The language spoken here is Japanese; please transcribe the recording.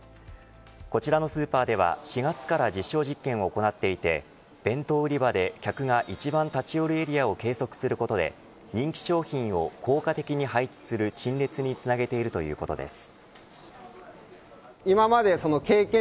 こちらのスーパーでは４月から実証実験を行っていて弁当売り場で客が一番立ち寄るエリアを計測することで人気商品を効果的に配置する陳列につなげているということです。